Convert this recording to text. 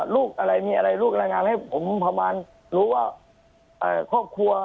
ลูกอะไรมีอะไรลูกรายงานให้ผมประมาณรู้ว่าครอบครัว